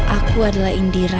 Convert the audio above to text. aku adalah indira